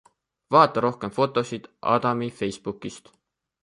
Vaata rohkem fotosid Adami Facebookist.